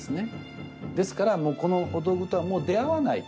ですからもうこのお道具とはもう出会わない。